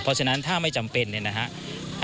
พอฉะนั้นถ้าไม่จำเป็นนะฮะ